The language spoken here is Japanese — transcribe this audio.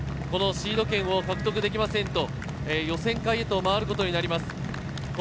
シード権を獲得できないと予選会へ回ることになります。